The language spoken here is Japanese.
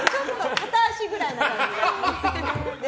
片足ぐらいな感じで。